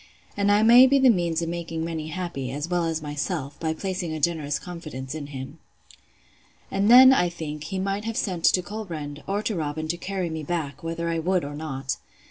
And I may be the means of making many happy, as well as myself, by placing a generous confidence in him. And then, I think, he might have sent to Colbrand, or to Robin, to carry me back, whether I would or not.